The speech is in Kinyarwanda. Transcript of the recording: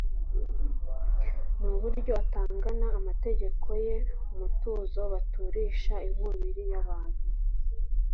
n'uburyo atangana amategeko ye umutuzo, baturisha inkubiri y'abantu